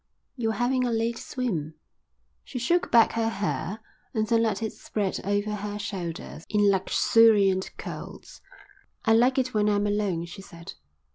"You're having a late swim." She shook back her hair and then let it spread over her shoulders in luxuriant curls. "I like it when I'm alone," she said.